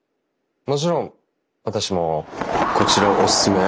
もちろん私もこちらをおすすめ。